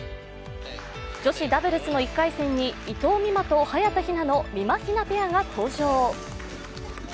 女子ダブルスの１回戦に伊藤美誠と早田ひなのみまひなペアが登場。